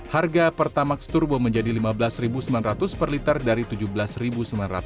harga pertamax turbo menjadi rp lima belas sembilan ratus per liter dari rp tujuh belas sembilan ratus